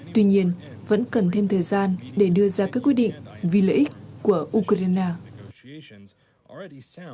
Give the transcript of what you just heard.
tuy nhiên vẫn cần thêm thời gian để đưa ra các quyết định vì lợi ích của ukraine